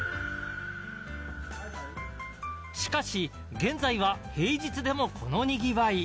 しかし現在は平日でもこのにぎわい。